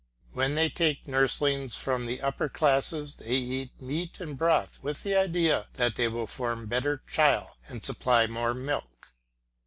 When they take nurslings from the upper classes they eat meat and broth with the idea that they will form better chyle and supply more milk.